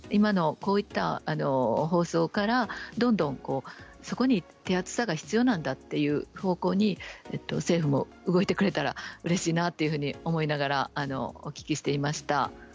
こういった放送からどんどんそこに手厚さが必要なんだという方向に政府も動いてくれたらうれしいなと思いながらお聞きしていました。